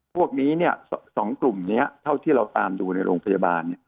พวกนี้๒กลุ่มนี้เท่าที่เราตามดูในโรงพยาบาล